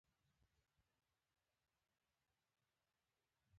د میرمنو کار او تعلیم مهم دی ځکه چې چاپیریال پوهاوي زیاتولو سبب دی.